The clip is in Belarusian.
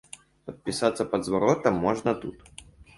Падпісацца пад зваротам можна тут.